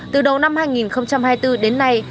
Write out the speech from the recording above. từ đầu năm hai nghìn hai mươi bốn đến nay